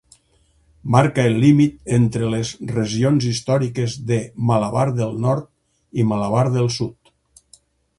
Marca el límit entre les regions històriques de Malabar del Nord i Malabar del Sud.